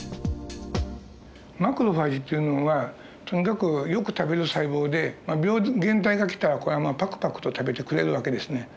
マクロファージっていうのはとにかくよく食べる細胞で病原体が来たらパクパクと食べてくれる訳ですね。